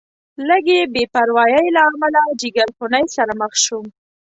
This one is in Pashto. لږې بې پروایۍ له امله جیګرخونۍ سره مخ شوم.